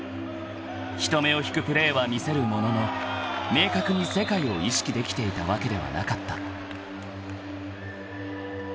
［人目を引くプレーは見せるものの明確に世界を意識できていたわけではなかった］